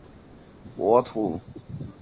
自西向东流经了斯洛伐克的大部分国土。